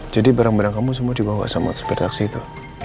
jadi barang barang kamu semua dibawa sama sepeda taksi itu